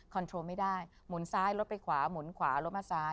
โทรไม่ได้หมุนซ้ายรถไปขวาหมุนขวารถมาซ้าย